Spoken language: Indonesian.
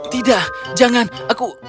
tidak jangan aku